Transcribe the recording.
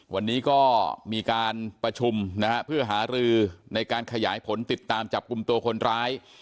วันนี้ก็มีการประชุมนะฮะเพื่อหารือในการขยายผลติดตามจับกลุ่มตัวคนร้าย